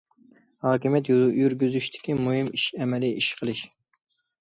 ھاكىمىيەت يۈرگۈزۈشتىكى مۇھىم ئىش- ئەمەلىي ئىش قىلىش.